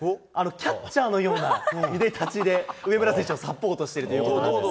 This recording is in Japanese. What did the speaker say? キャッチャーのようないでたちで、上村選手をサポートしているということです。